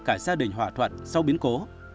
cả gia đình hòa thuận sau biến cố